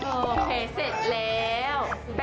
โอเคเสร็จแล้ว